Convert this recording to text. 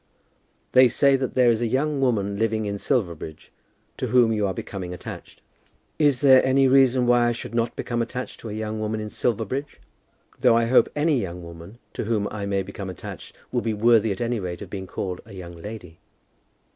They say that there is a young woman living in Silverbridge to whom you are becoming attached." "Is there any reason why I should not become attached to a young woman in Silverbridge? though I hope any young woman to whom I may become attached will be worthy at any rate of being called a young lady."